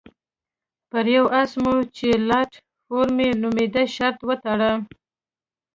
پر یوه اس مو چې لایټ فور مي نومېده شرط وتاړه.